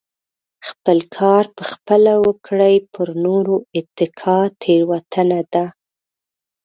خپل کار په خپله وکړئ پر نورو اتکا تيروتنه ده .